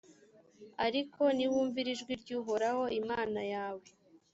ariko niwumvira ijwi ry’uhoraho imana yawe,